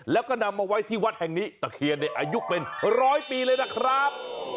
แล้วก็นำมาไว้ที่วัดแห่งนี้ตะเคียนอายุเป็นร้อยปีเลยนะครับ